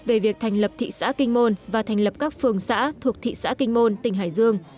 về việc thành lập thị xã kinh môn và thành lập các phường xã thuộc thị xã kinh môn tỉnh hải dương